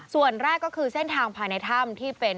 ส่วนแรกก็คือเส้นทางภายในถ้ำที่เป็น